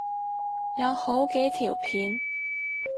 有好幾條片